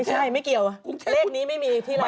ใช่ไม่เกี่ยวเลขนี้ไม่มีที่เรา